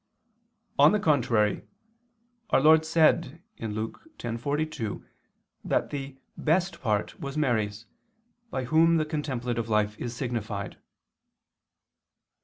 On the contrary, our Lord said (Luke 10:42) that the "best part" was Mary's, by whom the contemplative life is signified.